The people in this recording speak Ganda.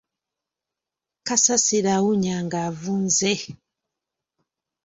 Kasasiro awunya nga avunze.